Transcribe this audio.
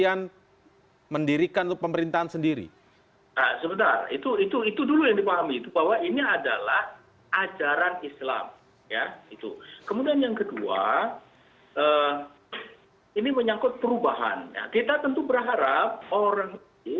anda berbicara soal perubahan perubahan tadi